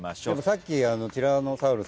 さっきティラノサウルス。